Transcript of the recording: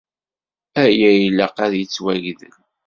Aya ilaq ad yettwagdel.